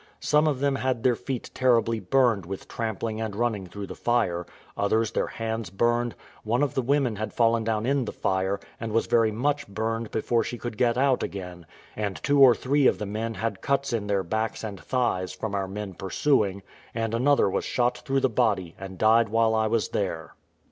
Some of them had their feet terribly burned with trampling and running through the fire; others their hands burned; one of the women had fallen down in the fire, and was very much burned before she could get out again; and two or three of the men had cuts in their backs and thighs, from our men pursuing; and another was shot through the body and died while I was there.